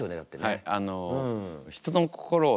はい。